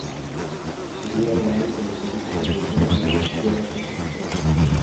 Gia Lai se localiza en la región de las Tierras Altas Centrales.